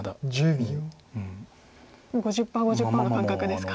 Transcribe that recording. もう５０％５０％の感覚ですか。